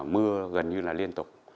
mưa gần như là liên tục